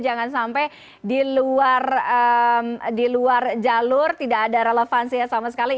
jangan sampai di luar jalur tidak ada relevansinya sama sekali